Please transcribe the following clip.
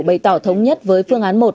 bày tỏ thống nhất với phương án một